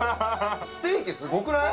ステーキすごくない？